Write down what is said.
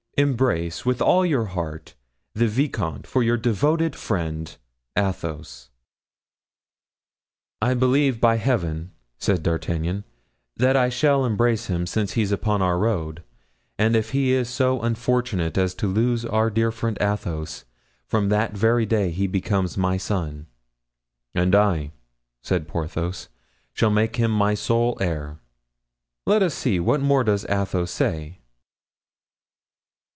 "Embrace, with all your heart, the vicomte, for your devoted, friend, "ATHOS." "I believe, by Heaven," said D'Artagnan, "that I shall embrace him, since he's upon our road; and if he is so unfortunate as to lose our dear Athos, from that very day he becomes my son." "And I," said Porthos, "shall make him my sole heir." "Let us see, what more does Athos say?"